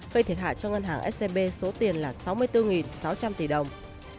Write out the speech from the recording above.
gây thiệt hại cho ngân hàng scb số tiền là sáu mươi bốn sáu trăm linh tỷ đồng